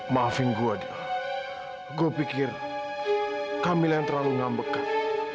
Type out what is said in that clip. maafin gue adil gue pikir kamila yang terlalu ngambekkan